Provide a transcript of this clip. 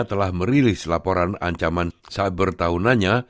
telah merilis laporan ancaman cyber tahunannya